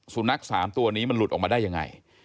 สุนัข๓ตัวนี้มันหลุดออกมาได้ยังไง